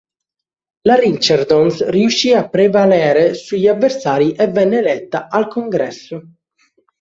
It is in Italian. La Richardson riuscì a prevalere sugli avversari e venne eletta al Congresso.